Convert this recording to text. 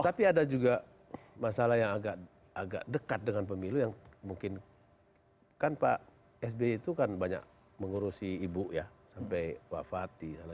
tapi ada juga masalah yang agak dekat dengan pemilu yang mungkin kan pak sby itu kan banyak mengurusi ibu ya sampai wafati